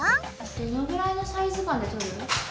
どのくらいのサイズ感で撮る？